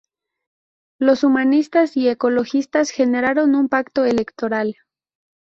Los humanistas y ecologistas generaron un pacto electoral.